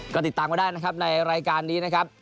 ก็ติดตามก็ได้นะครับในรายการนี้นะครับ